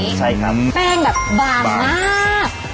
แป้งแบบบางมาก